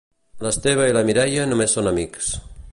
L'Esteve i la Mireia només són amics.